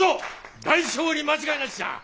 大勝利間違いなしじゃ！